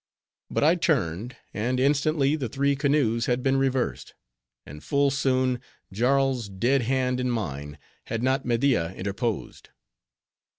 But I turned; and instantly the three canoes had been reversed; and full soon, Jarl's dead hand in mine, had not Media interposed.